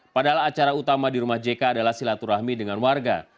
padahal acara utama di rumah jk adalah silaturahmi dengan warga